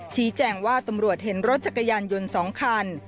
ชี้แจงว่าตำรวจเห็นรถจักรยานยนต์๒คัน